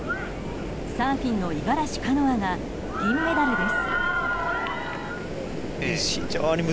サーフィンの五十嵐カノアが銀メダルです。